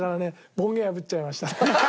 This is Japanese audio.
門限破っちゃいました。